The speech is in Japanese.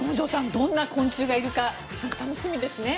どんな昆虫がいるか楽しみですね。